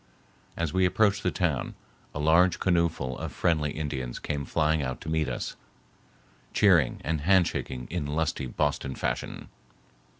As we approached the town, a large canoeful of friendly Indians came flying out to meet us, cheering and handshaking in lusty Boston fashion.